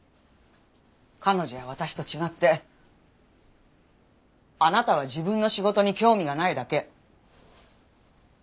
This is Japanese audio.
彼女や私と違ってあなたは自分の仕事に興味がないだけ。